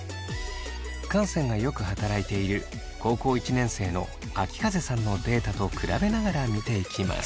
汗腺がよく働いている高校１年生のあきかぜさんのデータと比べながら見ていきます。